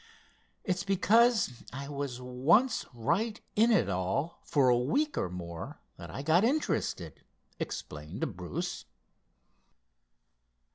"It's because I was once right in it all for a week or more that I got interested," explained Bruce.